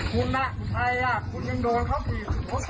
คุณน่ะสุดท้ายอ่ะคุณยังโดนเข้าผิด